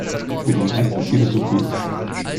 Für den Rest ist sie Utopie.